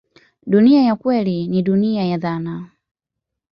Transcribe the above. Dunia ya kweli ni dunia ya dhana.